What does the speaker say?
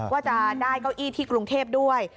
ว่าจะได้เก้าอี้ที่กรุงเทพด้วย